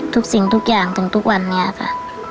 สิ่งทุกอย่างถึงทุกวันนี้ค่ะ